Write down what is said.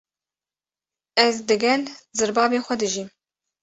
Ez digel zirbavê xwe dijîm.